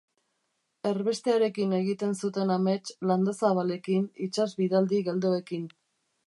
Erbestearekin egiten zuten amets, landazabalekin, itsas bidaldi geldoekin.